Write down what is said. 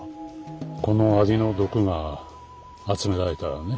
このアリの毒が集められたらね。